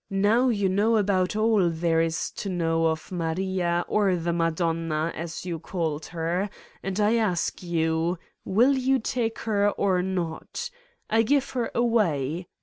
Now you know about all there is to know of Maria or the Madonna, as you called her, and I ask you: will you take her or not ? I give her away.